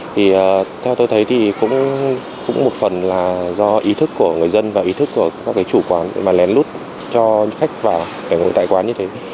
thì theo tôi thấy thì cũng một phần là do ý thức của người dân và ý thức của các cái chủ quán mà lén lút cho khách vào để ngủ tại quán như thế